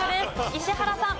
石原さん。